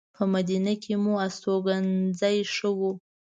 په مدینه کې مو استوګنځی ښه و.